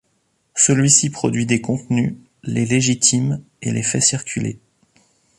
Celui-ci produit des contenus, les légitime et les fait circuler.